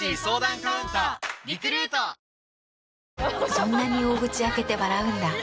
そんなに大口開けて笑うんだ。